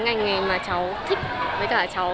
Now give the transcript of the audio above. ngành nghề mà cháu thích với cả cháu